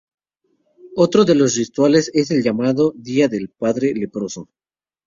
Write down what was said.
Otro de los rituales es el llamado "Día del Padre Leproso".